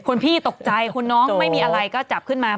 คุณพี่ตกใจคนน้องไม่มีอะไรก็จับขึ้นมา